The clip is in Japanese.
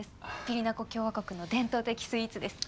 ピリナコ共和国の伝統的スイーツです。